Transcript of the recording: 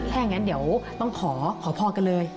แค่งั้นเดี๋ยวต้องขอพรกันเลย